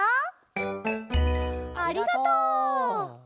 ありがとう！